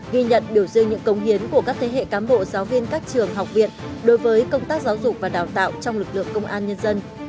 ghi nhận biểu dương những công hiến của các thế hệ cám bộ giáo viên các trường học viện đối với công tác giáo dục và đào tạo trong lực lượng công an nhân dân